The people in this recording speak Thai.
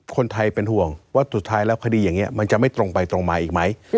คนไทยเป็นห่วงว่าสุดท้ายแล้วคดีอย่างนี้มันจะไม่ตรงไปตรงมาอีกไหม